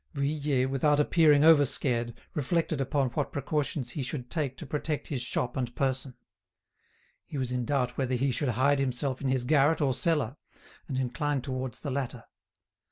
Vuillet, without appearing over scared, reflected upon what precautions he should take to protect his shop and person; he was in doubt whether he should hide himself in his garret or cellar, and inclined towards the latter.